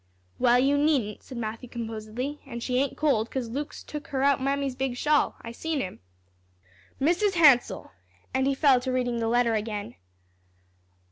"Well, you needn't," said Matthew, composedly; "an' she ain't cold, 'cause Luke's took her out Mammy's big shawl. I seen him." "'Mrs. Hansell,'" and he fell to reading the letter again.